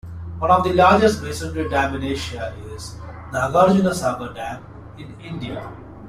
One of the largest masonry dam in Asia is Nagarjunasagar Dam in India.